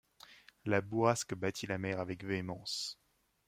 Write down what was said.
La bourrasque battit la mer avec véhémence.